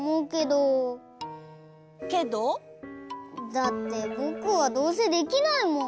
だってぼくはどうせできないもん。